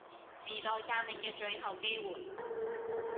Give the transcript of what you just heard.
時代革命嘅最後機會